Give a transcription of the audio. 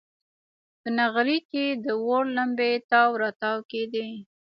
په نغري کې د اور لمبې تاو راتاو کېدې.